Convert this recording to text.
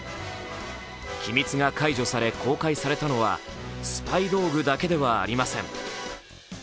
機密が解除され、公開されたのはスパイ道具だけではありません。